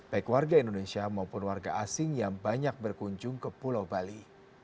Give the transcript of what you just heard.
baik warga indonesia maupun warga asing yang banyak berkunjung ke pulau bali